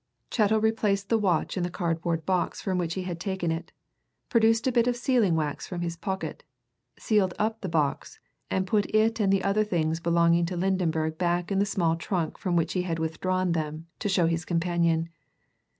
Chettle replaced the watch in the cardboard box from which he had taken it, produced a bit of sealing wax from his pocket, sealed up the box, and put it and the other things belonging to Lydenberg back in the small trunk from which he had withdrawn them to show his companion.